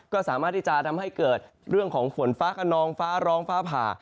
ก็สามารถที่จะทำให้เกิดเรื่องของฝนฟ้าขนองฟ้าร้องฟ้าผ่า